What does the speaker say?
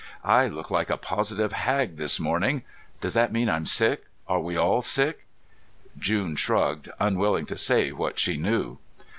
"I look like a positive hag this morning. Does that mean I'm sick? Are we all sick?" June shrugged, unwilling to say what she knew.